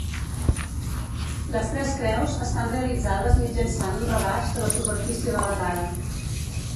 Les tres creus estan realitzades mitjançant un rebaix de la superfície de la cara.